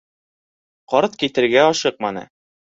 Ҡарт китергә ашыҡманы: